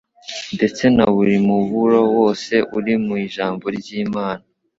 ndetse na buri muburo wose uri mu Ijambo ry'Imana